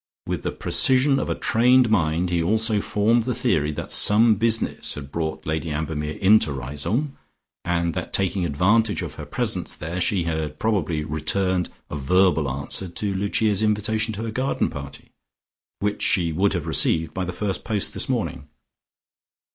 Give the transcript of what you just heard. With the precision of a trained mind he also formed the theory that some business had brought Lady Ambermere into Riseholme, and that taking advantage of her presence there, she had probably returned a verbal answer to Lucia's invitation to her garden party, which she would have received by the first post this morning.